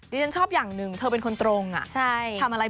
ดิฉันชอบอย่างหนึ่งเธอเป็นคนตรงอ่ะทำอะไรบอกหมดเลย